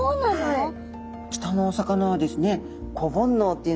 はい。